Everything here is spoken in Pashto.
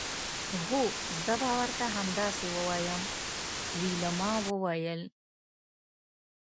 هو زه به ورته همداسې ووایم ویلما وویل